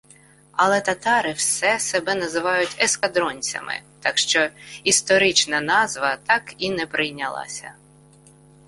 Але татари все себе називають «ескадронцями», так що «історична назва» так і не прийнялася.